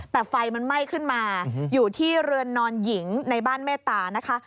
แต่ไฟมันไหม้ขึ้นมาอยู่ที่เรือนนอนหญิงในบ้านเมตตานะคะ